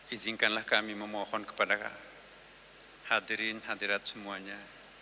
izinkanlah kami memohon kepada hadirin hadirat semuanya